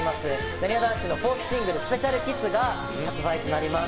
なにわ男子のフォースシングル「ＳｐｅｃｉａｌＫｉｓｓ」が発売になります。